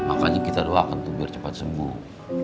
makanya kita doakan tuh biar cepat sembuh